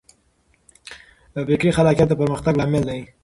فکري خلاقیت د پرمختګ لامل دی.